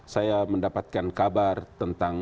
saya mendapatkan kabar tentang